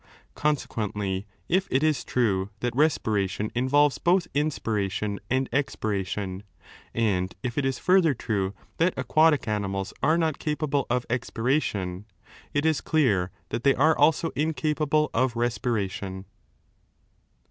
Consequently, if it is true that respiration involves both inspiration and expiration, and if it is further true that aquatic animals are not capable of expiration, it is clear that they are also incapable of respiration.